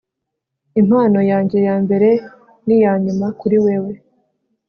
impano yanjye yambere niyanyuma, kuri wewe